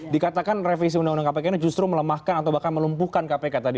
dikatakan revisi undang undang kpk ini justru melemahkan atau bahkan melumpuhkan kpk tadi